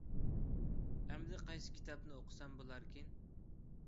ئەمدى قايسى كىتابنى ئوقۇسام بولاركىن؟